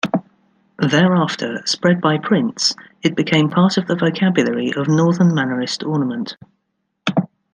Thereafter, spread by prints, it became part of the vocabulary of Northern Mannerist ornament.